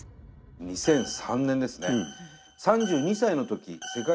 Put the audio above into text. ２００３年ですね。